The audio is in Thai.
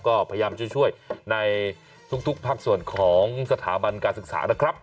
ก็พยายามจะช่วยในทุกภาคส่วนของสถาบันการศึกษานะครับ